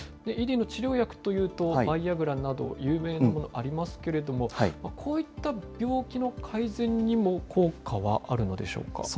ＥＤの治療薬というと、バイアグラなど、有名なものありますけれども、こういった病気の改善にも効果はあるのでしょうか。